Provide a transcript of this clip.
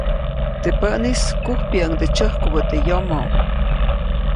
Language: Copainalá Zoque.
Teʼ päʼnis, kujpyäʼuŋde tsyäjkubä teʼ yomoʼ.